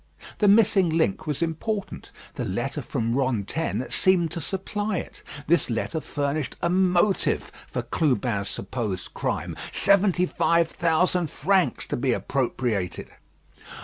The missing link was important. The letter from Rantaine seemed to supply it. This letter furnished a motive for Clubin's supposed crime: seventy five thousand francs to be appropriated.